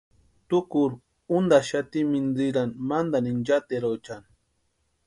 Tukuru úntaxati mintsirani mantani inchateruchani.